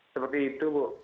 seperti itu bu